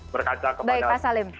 baik pak salim